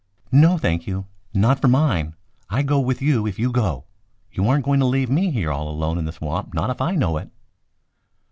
"No, thank you. Not for mine. I go with you if you go. You aren't going to leave me here all alone in the swamp, not if I know it."